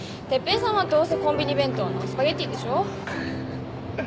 哲平さんはどうせコンビニ弁当のスパゲティでしょ？